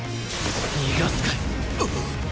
逃がすかよ。